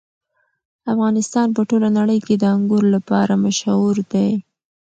افغانستان په ټوله نړۍ کې د انګور لپاره مشهور دی.